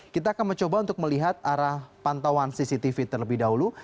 kita akan mencoba untuk melihat arah pantauan cctv terlebih dahulu